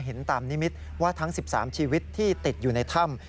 เห็นตามนิมิตรว่าทั้ง๑๓ชีวิตที่ติดอยู่ในถ้ำ